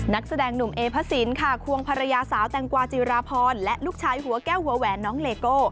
นักแสดงหนุ่มเอพระสินค่ะควงภรรยาสาวแตงกวาจิราพรและลูกชายหัวแก้วหัวแหวนน้องเลโก้